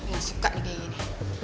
gak suka nih dia ini